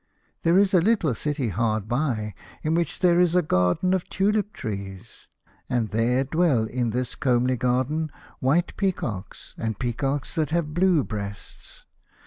There is a little city hard by in which there is a garden of tulip trees. And there dwell in this comely garden white peacocks and peacocks that have blue breasts.